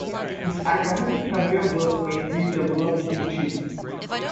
His academic career was mainly developed in Chile.